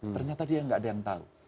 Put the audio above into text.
ternyata dia nggak ada yang tahu